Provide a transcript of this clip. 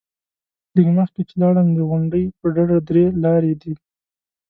لږ مخکې چې لاړم، د غونډۍ پر ډډه درې لارې دي.